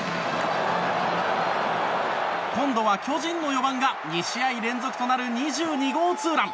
今度は巨人の４番が２試合連続となる２２号ツーラン！